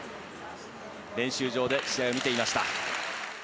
練習場で試合を見ていました。